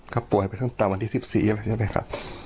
ก็ป่วยไปตั้งแต่วันที่๑๔แล้วใช่ไหมครับ